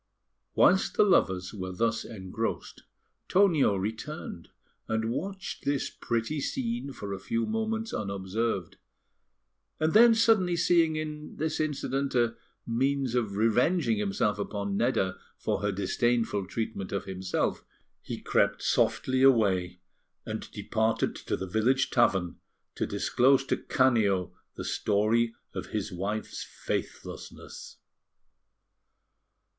Whilst the lovers were thus engrossed, Tonio returned, and watched this pretty scene for a few moments unobserved; and then suddenly seeing in this incident a means of revenging himself upon Nedda for her disdainful treatment of himself, he crept softly away, and departed to the village tavern to disclose to Canio the story of his wife's faithlessness.